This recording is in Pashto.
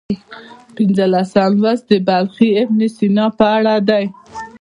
پنځلسم لوست د بلخي ابن سینا په اړه دی.